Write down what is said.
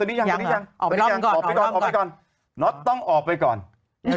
โหยวายโหยวายโหยวายโหยวายโหยวายโหยวายโหยวายโหยวาย